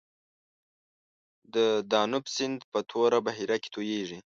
د دانوب سیند په توره بحیره کې تویږي.